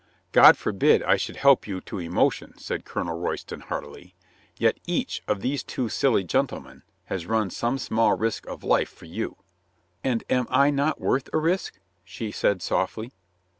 "God forbid I should help you to emotion," said Colonel Royston heartily. "Yet each of these two silly gentlemen has run some small risk of life for you." "And am I not worth a risk?" she said softly.